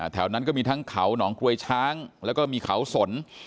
แถวนั้นก็มีทั้งเขาหนองกลวยช้างแล้วก็มีเขาสน